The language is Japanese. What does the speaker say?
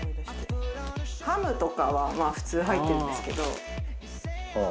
ハムとかはまあ普通入ってるんですけど。